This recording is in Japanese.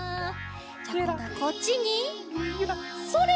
じゃあこんどはこっちにそれ！